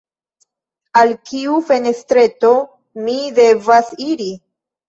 Al kiu fenestreto mi devas iri?